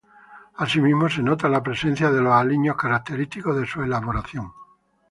Asimismo se nota la presencia de los aliños característicos de su elaboración.